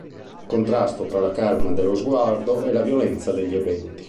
Contrasto tra la calma dello sguardo e la violenza degli eventi.